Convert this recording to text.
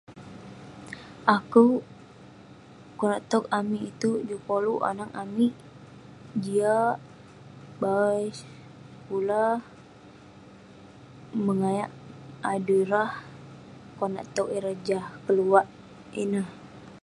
Akouk, konak tog amik itouk juk koluk anag amik jiak, bawai sekulah, nengayak adui rah. Konak tog ireh jah keluak ineh.